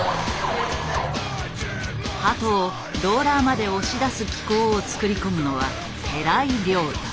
鳩をローラーまで押し出す機構を作り込むのは寺井良太。